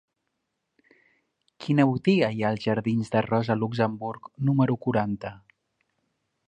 Quina botiga hi ha als jardins de Rosa Luxemburg número quaranta?